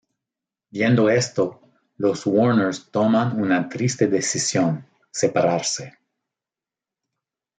Viendo esto, los Warner toman una triste decisión: separarse.